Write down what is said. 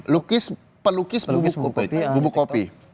lukis pelukis bubuk kopi